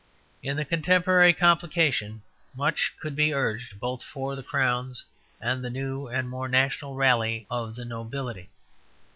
In the contemporary complication much could be urged both for the Crown and the new and more national rally of the nobility.